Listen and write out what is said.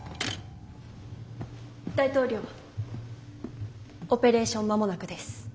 大統領オペレーション間もなくです。